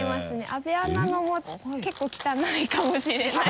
阿部アナのも結構汚いかもしれないです。